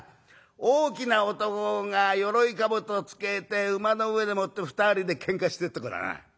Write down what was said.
大きな男が鎧兜つけて馬の上でもって二人でけんかしてっとこだな」。